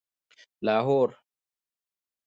لاهور